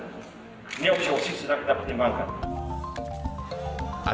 ini opsi opsi sudah kita pertimbangkan